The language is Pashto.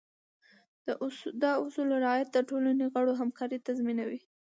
د اصولو رعایت د ټولنې د غړو همکارۍ تضمینوي.